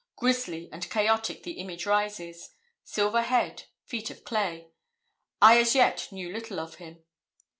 Grizzly and chaotic the image rises silver head, feet of clay. I as yet knew little of him.